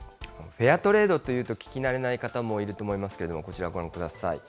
フェアトレードと聞くと聞き慣れない方もいると思いますけれども、こちらご覧ください。